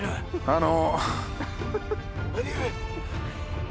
あの。